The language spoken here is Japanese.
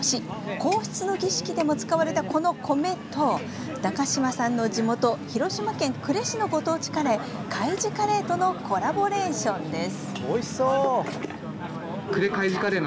皇室の儀式でも使われたこの米と中島さんの地元・広島県呉市のご当地カレー海自カレーとのコラボレーションです。